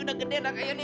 udah gede anak ayah ini